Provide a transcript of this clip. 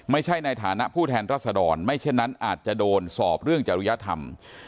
ในฐานะผู้แทนรัศดรไม่เช่นนั้นอาจจะโดนสอบเรื่องจริยธรรม